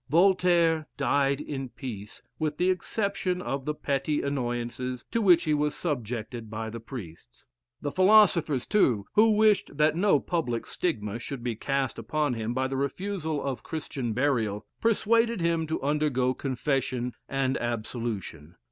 Voltaire died in peace, with the exception of the petty annoyances to which he was subjected by the priests. The philosophers, too, who wished that no public stigma should be cast upon him by the refusal of Christian burial, persuaded him to undergo confession and absolution.